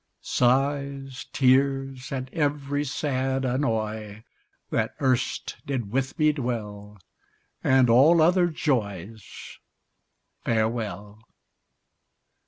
Sighs, tears, and every sad annoy, That erst did with me dwell, And all other joys, Farewell!